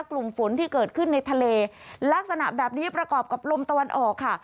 กลุ่มฝนที่เกิดขึ้นในทะเลลักษณะแบบนี้ประกอบกับลมตะวันออกค่ะ